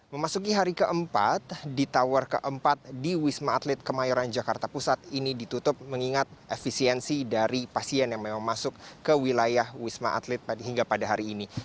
memasuki hari keempat di tower keempat di wisma atlet kemayoran jakarta pusat ini ditutup mengingat efisiensi dari pasien yang memang masuk ke wilayah wisma atlet hingga pada hari ini